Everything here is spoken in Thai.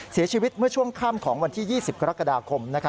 เสียชีวิตเมื่อช่วงค่ำของวันที่๒๐กรกฎาคม